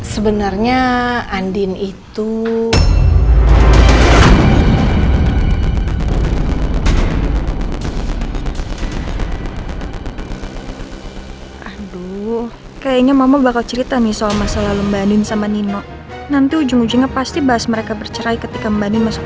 sebenarnya hati hati sama rumah tienes tuh gak in necessarily whose fault